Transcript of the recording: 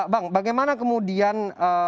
bang bagaimana kemudian